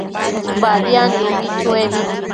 Badiadnubi chuebi